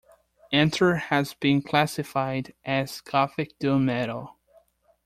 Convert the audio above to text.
"Enter" has been classified as gothic doom metal.